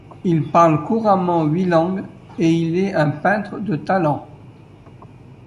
Il parle couramment huit langues et il est un peintre de talent.